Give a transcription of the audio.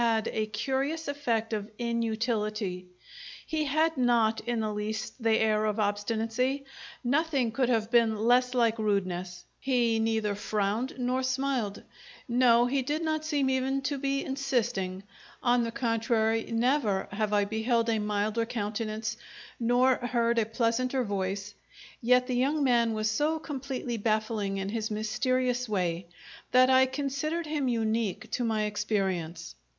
had a curious effect of inutility. He had not in the least the air of obstinacy, nothing could have been less like rudeness; he neither frowned not smiled; no, he did not seem even to be insisting; on the contrary, never have I beheld a milder countenance, nor heard a pleasanter voice; yet the young man was so completely baffling in his mysterious way that I considered him unique to my experience.